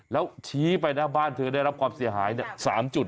แล้วชี้ไปนะบ้านเธอได้รับความเสียหาย๓จุด